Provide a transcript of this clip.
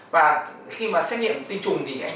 và khi mà xét nghiệm tinh trùng thì